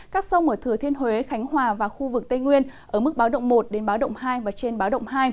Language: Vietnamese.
các sông ở thừa thiên huế khánh hòa và khu vực tây nguyên ở mức báo động một đến báo động hai và trên báo động hai